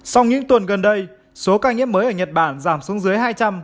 sau những tuần gần đây số ca nhiễm mới ở nhật bản giảm xuống dưới hai trăm linh